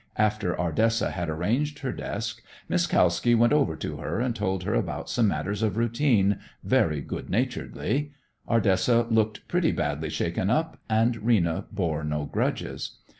After Ardessa had arranged her desk, Miss Kalski went over to her and told her about some matters of routine very good naturedly. Ardessa looked pretty badly shaken up, and Rena bore no grudges.